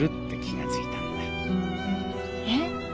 えっ？